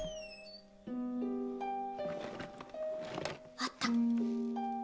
あった！